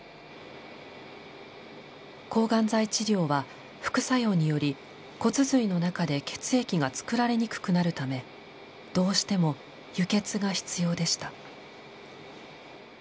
抗がん剤治療は副作用により骨髄の中で血液が作られにくくなるためどうしても輸血が必要でした。